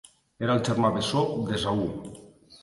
Era el germà bessó d'Esaú.